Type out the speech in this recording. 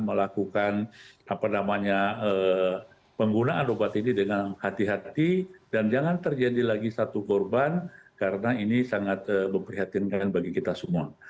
melakukan penggunaan obat ini dengan hati hati dan jangan terjadi lagi satu korban karena ini sangat memprihatinkan bagi kita semua